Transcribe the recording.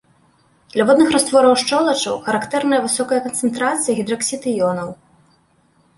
Для водных раствораў шчолачаў характэрная высокая канцэнтрацыя гідраксід-іёнаў.